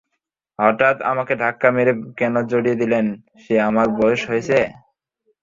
হঠাৎ আমাকে ধাক্কা মেরে কেন জানিয়ে দিলে যে আমার বয়স হয়েছে।